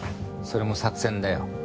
それも作戦だよ。